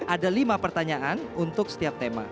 ada lima pertanyaan untuk setiap tema